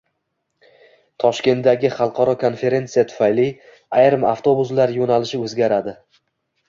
Toshkentdagi xalqaro konferensiya tufayli ayrim avtobuslar yo‘nalishi o‘zgaradi